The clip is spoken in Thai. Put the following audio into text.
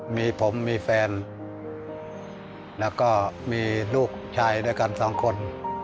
มีผมมีแฟนแล้วก็มีลูกชายด้วยกันสองคน